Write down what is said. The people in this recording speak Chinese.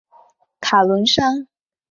卡伦山。